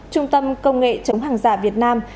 trung tâm công nghệ chống hàng giả việt nam